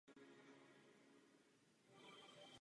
Byl předsedou sněmovního Výboru pro bezpečnost.